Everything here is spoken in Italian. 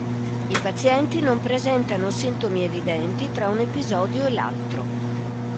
I pazienti non presentano sintomi evidenti tra un episodio e l'altro.